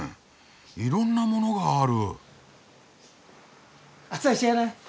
いろんなものがある。